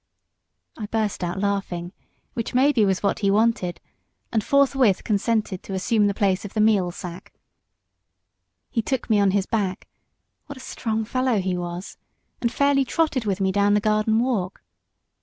I burst out laughing, which maybe was what he wanted, and forthwith consented to assume the place of the meal sack. He took me on his back what a strong fellow he was! and fairly trotted with me down the garden walk.